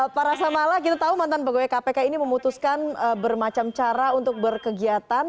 pak rasamala kita tahu mantan pegawai kpk ini memutuskan bermacam cara untuk berkegiatan